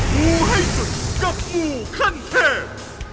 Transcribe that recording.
หมู่ให้สุดกับหมู่ขั้นเพศ